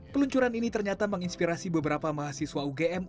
peluncuran ini ternyata menginspirasi beberapa mahasiswa ugm